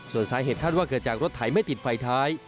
ส่วนสาเหตุคาดว่าเกิดจากรถไถไม่ติดไฟท้าย